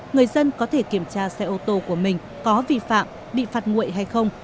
người dân có thể kiểm tra xe ô tô của mình có vi phạm bị phạt nguội hay không